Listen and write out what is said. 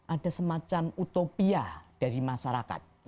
ada semacam utopia dari masyarakat